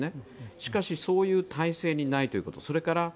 しかし、そういう体制にないということ。